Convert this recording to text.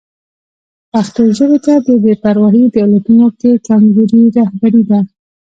پښتو ژبې ته د بې پرواهي د علتونو کې کمزوري رهبري ده.